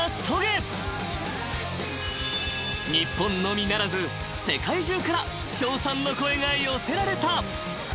［日本のみならず世界中から称賛の声が寄せられた］